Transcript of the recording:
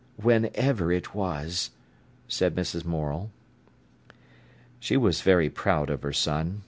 "Whenever it was," said Mrs. Morel. She was very proud of her son.